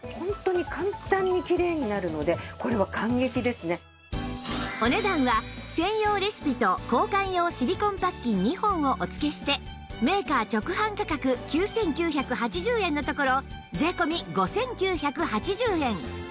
さらにお値段は専用レシピと交換用シリコンパッキン２本をお付けしてメーカー直販価格９９８０円のところ税込５９８０円